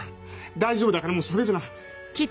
大丈夫だからもうしゃべるな。